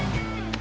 gak beres nih